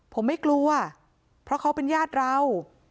ผมไม่กลัวเพราะเขาเป็นญาติเรา